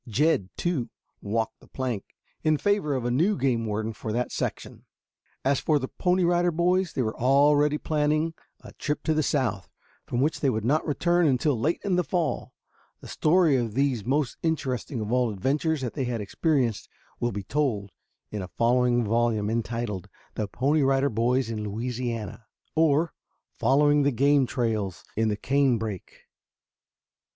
Jed, too, "walked the plank" in favor of a new game warden for that section. As for the Pony Rider Boys, they were already planning a trip to the South, from which they would not return until late in the fall. The story of these most interesting of all adventures that they had experienced will be told in a following volume entitled, "THE PONY RIDER BOYS IN LOUISIANA; or, Following the Game Trails in the Canebrake."